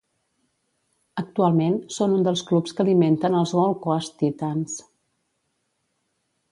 Actualment són un dels clubs que alimenten els Gold Coast Titans.